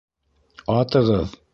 — Атығыҙ!